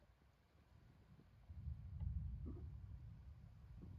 په ډېرو برخو کې مهاجرین ډېر غریب دي